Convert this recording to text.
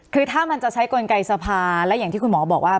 คือถ้ามันจะใช้กลไกสภาและอย่างที่คุณหมอบอกว่า